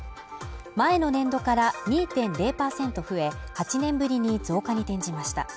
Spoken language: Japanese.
前の年度から２．０％増え、８年ぶりに増加に転じました。